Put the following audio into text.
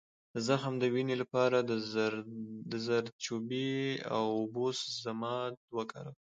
د زخم د وینې لپاره د زردچوبې او اوبو ضماد وکاروئ